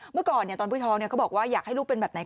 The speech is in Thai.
เมื่อก่อนเนี่ยตอนปุ๊กท้องเนี่ยเขาบอกว่าอยากให้รูปเป็นแบบไหน